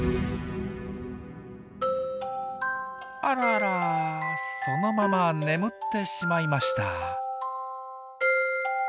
あらあらそのまま眠ってしまいました。